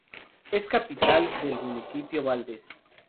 Es capital del municipio Valdez.